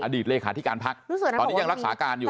สินค้าที่การพักตอนนี้ยังรักษาการอยู่